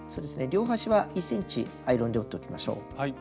両端は１ｃｍアイロンで折っておきましょう。